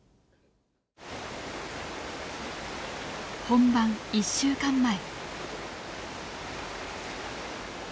本番１週間前。